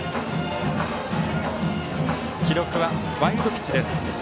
記録はワイルドピッチです。